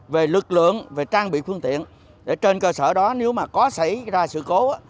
về lực lượng về trang bị phương tiện để trên cơ sở đó nếu mà có xảy ra sự cố